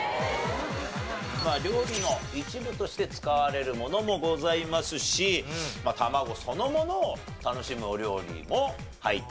まあ料理の一部として使われるものもございますし卵そのものを楽しむお料理も入っていると。